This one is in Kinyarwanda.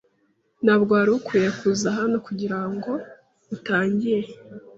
Ntabwo wari ukwiye kuza hano kugirango utangire.